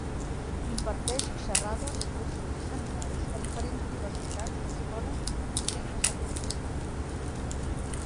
Imparteix xerrades, cursos i seminaris a diferents universitats, escoles i centres de formació.